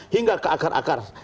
hingga ke akar akar